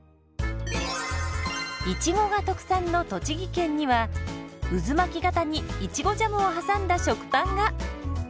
いちごが特産の栃木県には渦巻き型にいちごジャムを挟んだ食パンが！